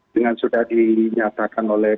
dengan sudah dinyatakan oleh